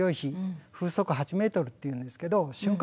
風速８メートルっていうんですけど瞬間